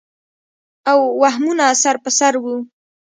او وهمونه سر پر سر وو